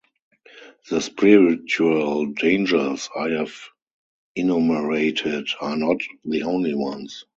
The spiritual dangers I have enumerated are not the only ones.